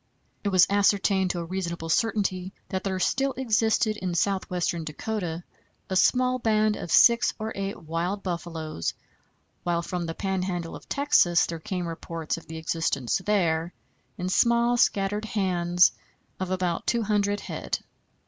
It was ascertained to a reasonable certainty that there still existed in southwestern Dakota a small band of six or eight wild buffaloes, while from the Pan handle of Texas there came reports of the existence there, in small scattered hands, of about two hundred head.